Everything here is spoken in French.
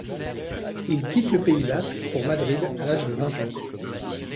Il quitte le pays basque pour Madrid, à l'âge de vingt ans.